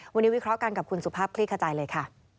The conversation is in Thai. วันนี้วิเคราะห์กันกับคุณสุภาพคลี่ขจายเลยค่ะ